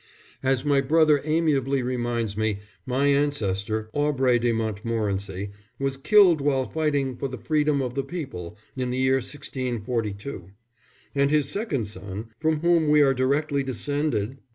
"As my brother amiably reminds me, my ancestor, Aubrey de Montmorency, was killed while fighting for the freedom of the people, in the year 1642. And his second son, from whom we are directly descended...."